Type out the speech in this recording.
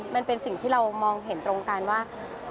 มันเป็นสิ่งที่เรามองเห็นตรงกันว่า